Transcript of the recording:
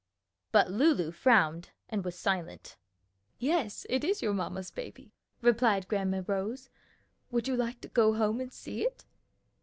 but Lulu frowned and was silent. "Yes, it is your mamma's baby," replied Grandma Rose. "Would you like to go home and see it?"